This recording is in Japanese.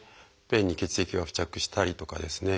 便に血液が付着したりとかですね